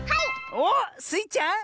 おっスイちゃん。